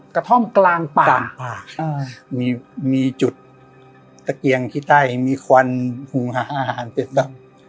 กระท่อมกลางป่ามีมีจุดตะเกียงที่ใต้มีควันหูหาอาหารเป็นต้อง